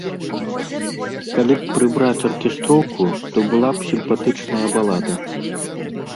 Калі б прыбраць аркестроўку, то была б сімпатычная балада.